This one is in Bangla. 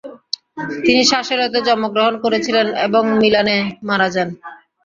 তিনি সাসেলোতে জন্মগ্রহণ করেছিলেন এবং মিলানে মারা যান।